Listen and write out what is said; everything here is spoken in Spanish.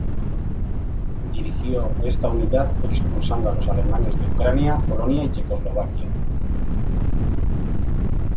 Dirigió esta unidad expulsando a los alemanes de Ucrania, Polonia y Checoslovaquia.